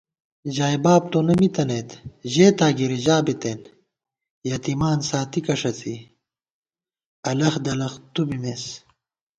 ژائےباب تونہ مِی تَنَئیت، ژېتا گِرِی ژا بِتېن * یتِیمان ساتِکہ ݭڅی الَخ دلَخ تُو بِمېس